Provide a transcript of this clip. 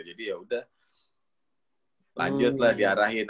jadi yaudah lanjut lah diarahin